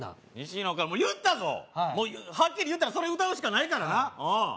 言ったぞ、はっきり言ったらそれ歌うしかないからな。